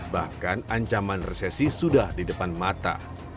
bahkan ancaman resesi sudah di depan mata